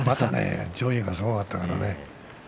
上位がすごかったね。